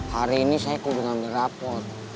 hari ini saya belum ambil rapot